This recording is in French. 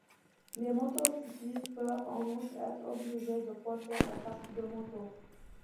Les motocyclistes peuvent en outre être obligés de porter un casque de moto.